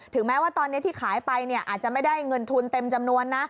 แม้ว่าตอนนี้ที่ขายไปอาจจะไม่ได้เงินทุนเต็มจำนวนนะ